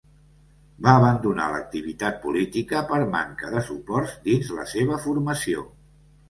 Va abandonar l'activitat política per manca de suports dins la seva formació.